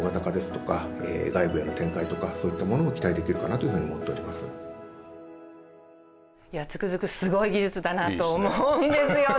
いやつくづくすごい技術だなと思うんですよね。